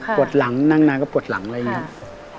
ปวดหลังนั่งนานก็ปวดหลังอะไรอย่างนี้ครับ